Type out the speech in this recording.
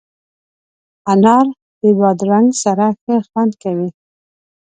انار د بادرنګ سره ښه خوند کوي.